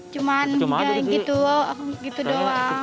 cuman gitu doang